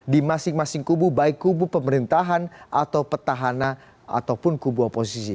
di masing masing kubu baik kubu pemerintahan atau petahana ataupun kubu oposisi